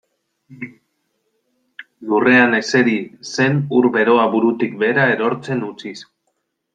Lurrean ezeri zen ur beroa burutik behera erortzen utziz.